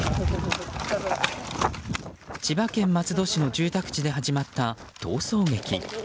千葉県松戸市の住宅地で始まった逃走劇。